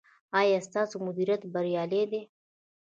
ایا ستاسو مدیریت بریالی دی؟